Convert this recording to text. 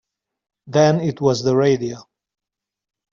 Then it was the radio.